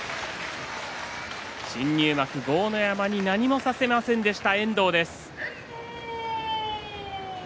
新入幕の豪ノ山に何もさせませんでした。